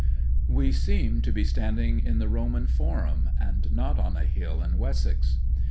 We seem to be standing in the Roman Forum and not on a hill in Wessex.